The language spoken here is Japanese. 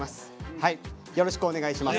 よろしくお願いします。